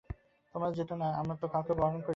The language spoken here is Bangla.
তোমরাও জেতো না, আমি তো কাউকে বারণ করিনি।